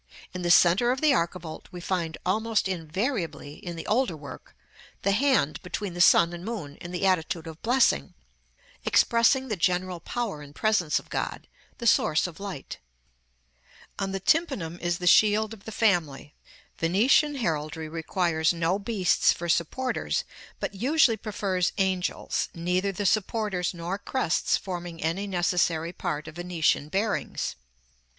In the centre of the archivolt we find almost invariably, in the older work, the hand between the sun and moon in the attitude of blessing, expressing the general power and presence of God, the source of light. On the tympanum is the shield of the family. Venetian heraldry requires no beasts for supporters, but usually prefers angels, neither the supporters nor crests forming any necessary part of Venetian bearings.